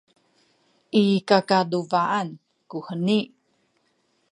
i kakaduba’an kuheni